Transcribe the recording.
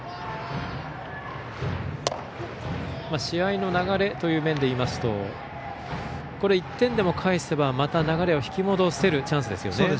試合の流れという面で言いますと１点でも返せばまた流れを引き戻せるチャンスですね。